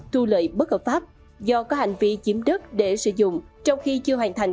thu lợi bất hợp pháp do có hành vi chiếm đất để sử dụng trong khi chưa hoàn thành